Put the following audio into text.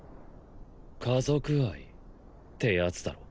家族愛ってやつだろう